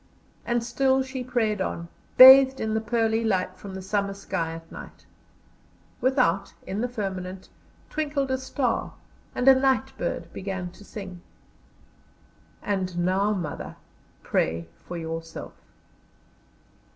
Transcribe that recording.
And still she prayed on, bathed in the pearly light from the summer sky at night. Without, in the firmament, twinkled a star; and a night bird began to sing. "And now, mother, pray for yourself."